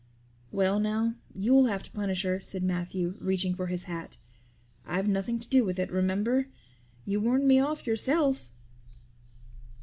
"Well now, you'll have to punish her," said Matthew, reaching for his hat. "I've nothing to do with it, remember. You warned me off yourself."